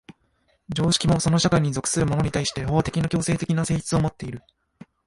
常識もその社会に属する者に対して法的な強制的な性質をもっている。